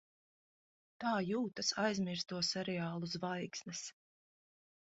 Tā jūtas aizmirsto seriālu zvaigznes.